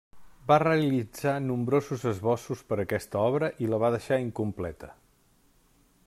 Va realitzar nombrosos esbossos per a aquesta obra i la va deixar incompleta.